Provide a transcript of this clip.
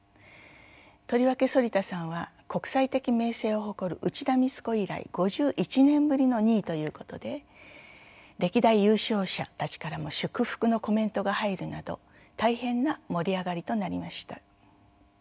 とりわけ反田さんは国際的名声を誇る内田光子以来５１年ぶりの２位ということで歴代優勝者たちからも祝福のコメントが入るなど大変な盛り上がりとなりました。